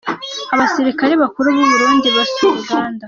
Abasirikare bakuru b’u Burundi basura Uganda